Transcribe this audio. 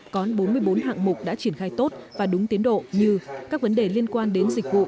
còn bốn mươi bốn hạng mục đã triển khai tốt và đúng tiến độ như các vấn đề liên quan đến dịch vụ